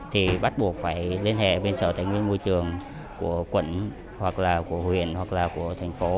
thì bắt buộc phải liên hệ với sở tài nguyên môi trường của quận hoặc là của huyện hoặc là của thành phố